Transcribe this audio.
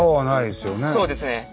そうですね。